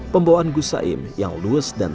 pembawaan guzaim yang luas dan